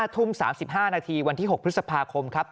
ทุ่ม๓๕นาทีวันที่๖พฤษภาคมครับ